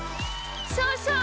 そうそう！